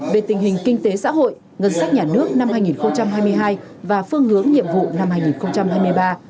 về tình hình kinh tế xã hội ngân sách nhà nước năm hai nghìn hai mươi hai và phương hướng nhiệm vụ năm hai nghìn hai mươi ba